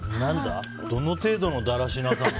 どの程度のだらしなさ？